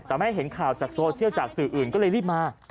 แต่ไม่ให้เห็นข่าวจากโซเชียลจากสื่ออื่นก็เลยรีบมา